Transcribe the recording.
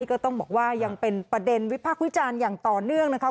ก็ต้องบอกว่ายังเป็นประเด็นวิพากษ์วิจารณ์อย่างต่อเนื่องนะคะ